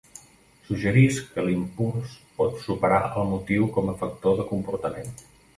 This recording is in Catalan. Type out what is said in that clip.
Suggerisc que l'impuls pot superar el motiu com a factor de comportament.